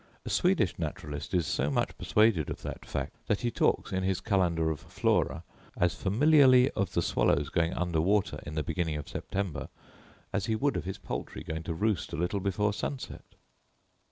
A Swedish naturalist is so much persuaded of that fact, that he talks, in his calendar of Flora, as familiarly of the swallows going under water in the beginning of September, as he would of his poultry going to roost a little before sunset.